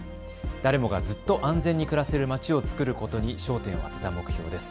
誰もがずっと安全に暮らせるまちをつくることに焦点を当てた目標です。